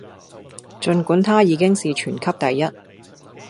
儘管她已經是全級第一